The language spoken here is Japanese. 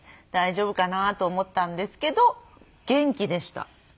大丈夫かな？と思ったんですけど元気でした。